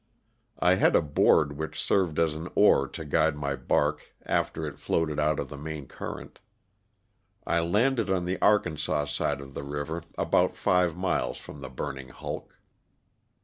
I had a board which served as an oar to guide my bark after it floated out of the main current. I landed on the Arkansas side of the river about five miles from the burning hulk.